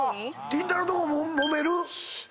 りんたろー。のとこももめる？